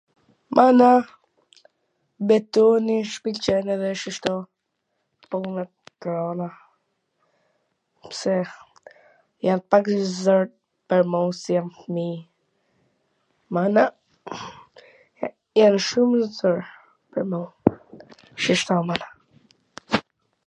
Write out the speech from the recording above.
mana betoni shkwlqen edhe wsht ashtu, punwt e rwnda, psejan pak zor pwr mu se jam fmij, mana jan shum... shishto mana.